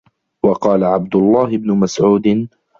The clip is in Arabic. وَقَالَ عَبْدُ اللَّهِ بْنُ مَسْعُودٍ